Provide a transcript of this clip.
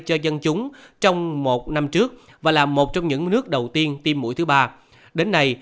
cho dân chúng trong một năm trước và là một trong những nước đầu tiên tiêm mũi thứ ba đến nay